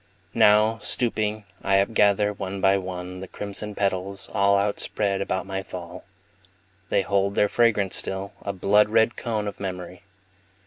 Now, stooping, I upgather, one by one, The crimson petals, all Outspread about my fall. They hold their fragrance still, a blood red cone Of memory.